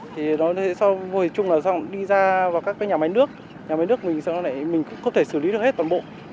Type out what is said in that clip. thì nói về chung là đi ra vào các cái nhà máy nước nhà máy nước mình không thể xử lý được hết toàn bộ